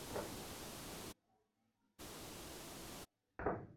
গতকাল বৃহস্পতিবার প্রতিষ্ঠানের নামে সমাবেশ করার চেষ্টার সময় পুলিশ তাঁকে গ্রেপ্তার করে।